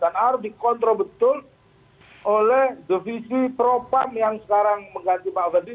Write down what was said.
dan harus dikontrol betul oleh devisi propam yang sekarang mengganti pak fadli